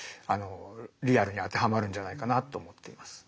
リアルに当てはまるんじゃないかなと思っています。